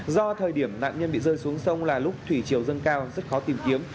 do thời điểm nạn nhân bị rơi xuống sông là lúc thủy chiều dâng cao rất khó tìm kiếm